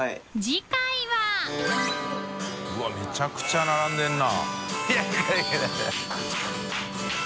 次回はうわっめちゃくちゃ並んでるな。